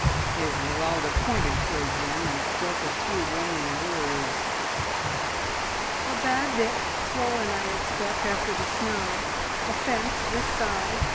Esmeralda pointed towards them and spoke a few warning words. "A bad bit, swollen, I expect, after the snow. A fence this side.